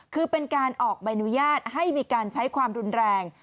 คือเป็นการออกใบอนุญาตให้มีการใช้ความรุนแรง